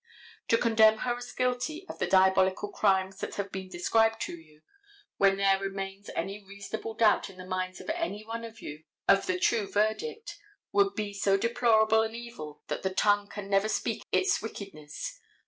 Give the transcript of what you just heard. To condemn her as guilty of the diabolical crimes that have been described to you, when there remains any reasonable doubt in the minds of any one of you of the true verdict, would be so deplorable an evil that the tongue can never speak its wickedness.